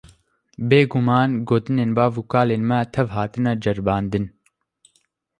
Bêguman gotinên bav û kalanên me tev hatine ceribandin.